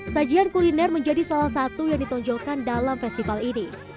sajian kuliner menjadi salah satu yang ditonjolkan dalam festival ini